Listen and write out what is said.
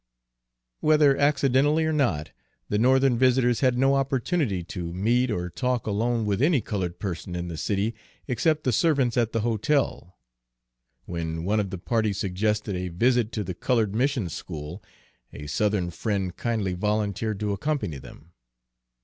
Whether accidentally or not, the Northern visitors had no opportunity to meet or talk alone with any colored person in the city except the servants at the hotel. When one of the party suggested a visit to the colored mission school, a Southern friend kindly volunteered to accompany them.